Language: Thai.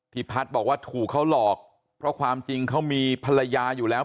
พัฒน์บอกว่าถูกเขาหลอกเพราะความจริงเขามีภรรยาอยู่แล้ว